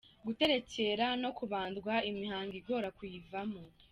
Guterekera no kubandwa, imihango igora kuyivamo.